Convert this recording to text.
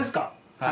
はい。